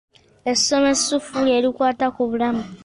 Ssomo eryekusifu erikwata ku bulamu.